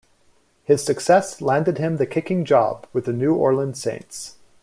His success landed him the kicking job with the New Orleans Saints.